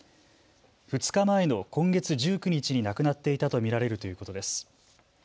２日前の今月１９日に亡くなっていたと見られるということです。